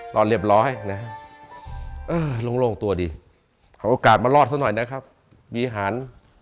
รอดเรียบร้อยนะฮะโล่งตัวดีเอาโอกาสมารอดซะหน่อยนะครับวิหาร